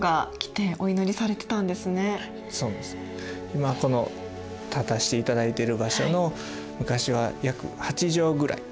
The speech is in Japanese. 今この立たしていただいてる場所の昔は約８畳ぐらい。